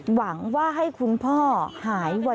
หวังว่าให้คุณพ่อหายไว